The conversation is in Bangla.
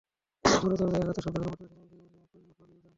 পরে দরজায় আঘাতের শব্দ শুনে প্রতিবেশীরা এগিয়ে এলে তৈয়মুর পালিয়ে যান।